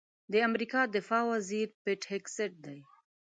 د امریکا دفاع وزیر پیټ هېګسیت دی.